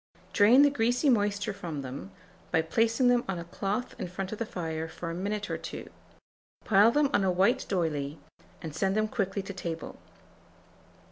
Drain the greasy moisture from them, by placing them on a cloth in front of the fire for a minute or two; pile them on a white d'oyley, and send them quickly to table.